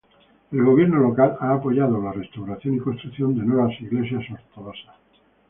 El gobierno local ha apoyado la restauración y construcción de nuevas iglesias ortodoxas.